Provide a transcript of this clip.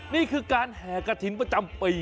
นี่คือการแห่กระถิ่นประจำปี